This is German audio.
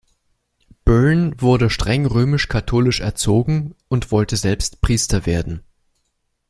Byrne wurde streng römisch-katholisch erzogen und wollte selbst Priester werden.